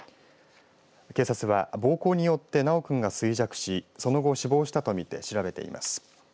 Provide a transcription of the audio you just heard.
警察は暴行によって修君が衰弱しその後死亡したと見て調べています。